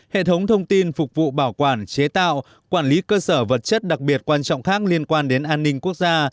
hệ thống thông tin phục vụ bảo quản chế tạo quản lý cơ sở vật chất đặc biệt quan trọng khác liên quan đến an ninh quốc gia